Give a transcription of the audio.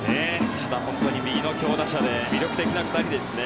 ただ、本当に右の強打者で魅力的な２人ですね。